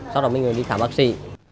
sau đó mình đi khám bác sĩ